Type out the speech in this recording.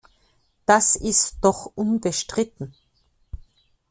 Das ist doch unbestritten.